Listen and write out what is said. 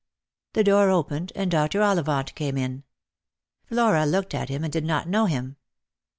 The door opened and Dr. Ollivant came in. Flora looked at him and did not know him.